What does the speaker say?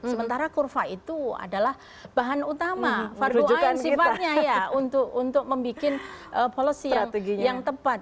sementara kurva itu adalah bahan utama fatwa yang sifatnya ya untuk membuat policy yang tepat